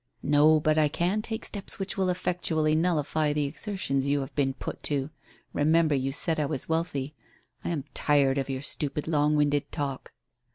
"No, but I can take steps which will effectually nullify the exertions you have been put to. Remember you said I was wealthy. I am tired of your stupid long winded talk."